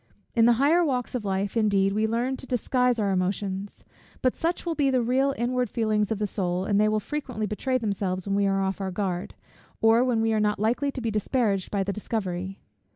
In the higher walks of life, indeed, we learn to disguise our emotions; but such will be the real inward feelings of the soul, and they will frequently betray themselves when we are off our guard, or when we are not likely to be disparaged by the discovery.